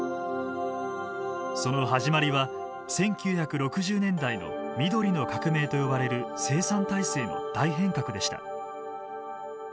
その始まりは１９６０年代の緑の革命と呼ばれる生産体制の大変革でした。